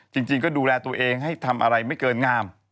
จริงก็ดูแลตัวเองให้ทำอะไรไม่เกินงาม